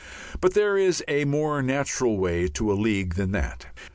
But there is a more natural way to a league than that.